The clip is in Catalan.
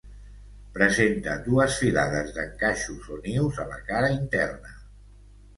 Presenta dues filades d'encaixos o nius a la cara interna.